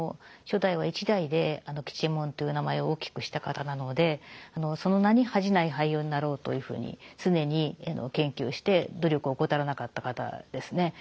初代は一代で吉右衛門という名前を大きくした方なのでその名に恥じない俳優になろうというふうに常に研究して努力を怠らなかった方ですね。